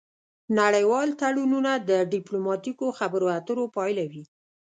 نړیوال تړونونه د ډیپلوماتیکو خبرو اترو پایله وي